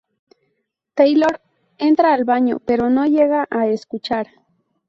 Taylor entra al baño, pero no llega a escuchar.